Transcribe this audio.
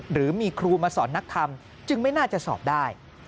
หรือมีครูมาสอนนักธรรมจึงไม่น่าจะสอบได้